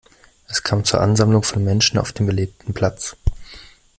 Es kam zur Ansammlung von Menschen auf dem belebten Platz.